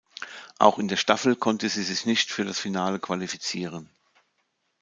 Auch in der Staffel konnte sie sich nicht für das Finale qualifizieren.